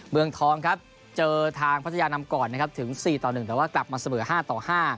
เมืองทองครับเจอทางพัทยานำก่อนนะครับถึง๔ต่อ๑แต่ว่ากลับมาเสมอ๕ต่อ๕